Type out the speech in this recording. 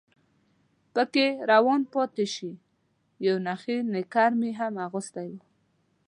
پکې روان پاتې شي، یو نخی نیکر مې هم اغوستی و.